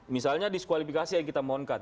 misalnya diskualifikasi yang kita mohonkan